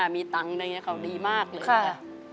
มีตังค์อะไรอย่างนี้เขาดีมากเลยค่ะ